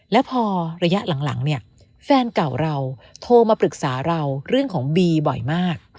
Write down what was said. แล้วพอระยะหลังเนี่ยแฟนเก่าเราโทรมาปรึกษาเราเรื่องของบีบ่อยมาก